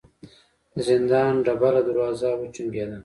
د زندان ډبله دروازه وچونګېده.